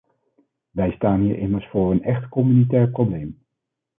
Wij staan hier immers voor een echt communautair probleem.